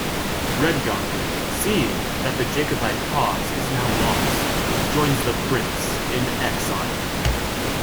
Redgauntlet, seeing that the Jacobite cause is now lost, joins the Prince in exile.